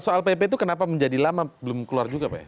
soal pp itu kenapa menjadi lama belum keluar juga pak ya